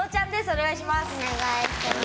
お願いします。